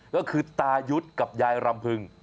ก็คือตายุทธ์กับยายรำพึง